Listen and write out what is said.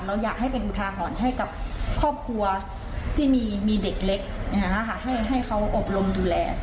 เราอยากให้เป็นอุทาหรณ์ให้กับครอบครัวที่มีเด็กเล็กให้เขาอบรมดูแล